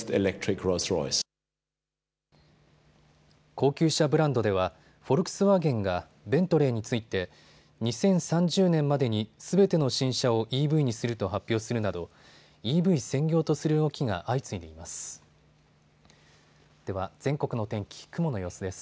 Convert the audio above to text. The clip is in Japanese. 高級車ブランドではフォルクスワーゲンがベントレーについて２０３０年までにすべての新車をＥＶにすると発表するなどＥＶ専業とする動きが相次いでいます。